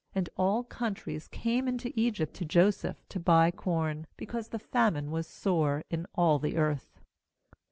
67And all countries came into Egypt to Joseph to buy corn; because the famine was sore in all the earth.